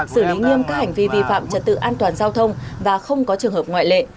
xử lý nghiêm các hành vi vi phạm trật tự an toàn giao thông và không có trường hợp ngoại lệ